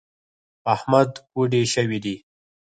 په احمد کوډي شوي دي .